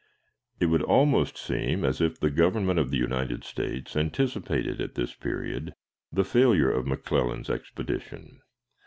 It would almost seem as if the Government of the United States anticipated, at this period, the failure of McClellan's expedition.